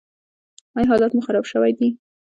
ایا حالت مو خراب شوی دی؟